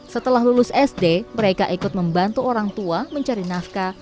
setelah lulus sd mereka ikut membantu orang tua mencari nafkah